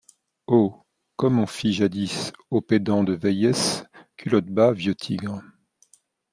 Oh! comme on fit jadis au pédant de Veïes, Culotte bas, vieux tigre !